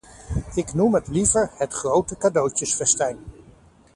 Ik noem het liever ‘het grote cadeautjesfestijn’.